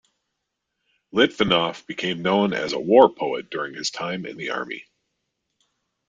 Litvinoff became known as a war poet during his time in the Army.